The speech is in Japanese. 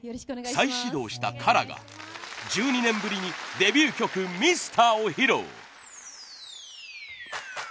再始動したＫＡＲＡが１２年ぶりにデビュー曲『ミスター』を披露。